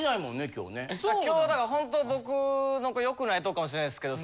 今日だからホント僕の良くないとこかもしれないですけど。